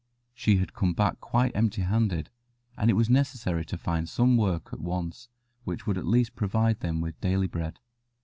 She had come back quite empty handed, and it was necessary to find some work at once which would at least provide them with daily bread.